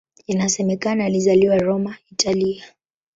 Inasemekana alizaliwa Roma, Italia.